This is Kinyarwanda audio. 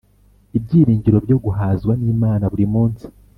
Ibyiringiro byoguhazwa n'Imana buri munsi